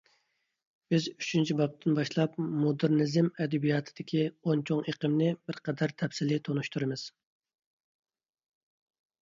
بىز ئۈچىنچى بابتىن باشلاپ مودېرنىزم ئەدەبىياتىدىكى ئون چوڭ ئېقىمنى بىرقەدەر تەپسىلىي تونۇشتۇرىمىز.